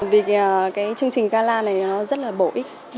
vì cái chương trình gala này nó rất là bổ ích